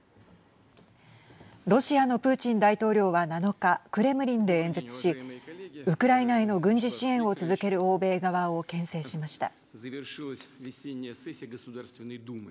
ロシアのプーチン大統領は７日、クレムリンで演説しウクライナへの軍事支援を続ける欧米側をけん制しました。